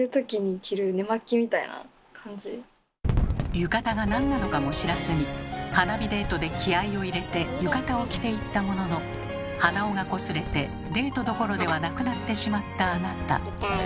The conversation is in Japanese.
浴衣がなんなのかも知らずに花火デートで気合いを入れて浴衣を着ていったものの鼻緒がこすれてデートどころではなくなってしまったあなた。